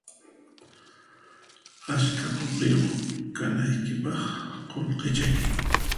Ashka qullqiyuq kanaykipaq qullqichay